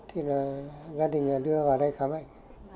thì là gia đình đưa vào đây khám ảnh